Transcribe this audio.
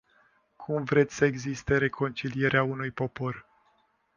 Cum vreți să existe reconcilierea unui popor?